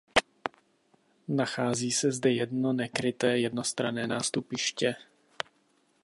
Nachází se zde jedno nekryté jednostranné nástupiště.